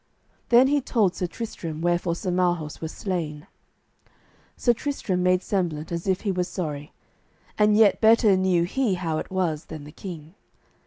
Then he told Sir Tristram wherefore Sir Marhaus was slain. Sir Tristram made semblant as if he were sorry, and yet better knew he how it was than the king.